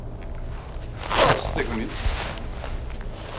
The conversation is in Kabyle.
Faṛeṣ tagnit!